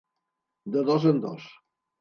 De dos en dos.